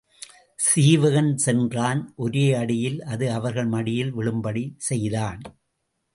சீவகன் சென்றான் ஒரே அடியில் அது அவர்கள் மடியில் விழும்படிச் செய்தான்.